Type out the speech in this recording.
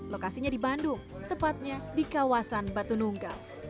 lokasinya di bandung tepatnya di kawasan batu nunggal